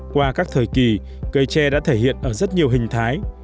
qua các thời kỳ cây tre đã thể hiện ở rất nhiều hình thái